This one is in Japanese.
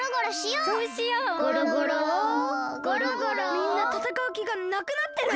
みんなたたかうきがなくなってる！